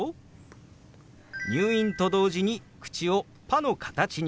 「入院」と同時に口を「パ」の形に。